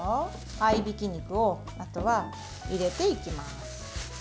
合いびき肉をあとは入れていきます。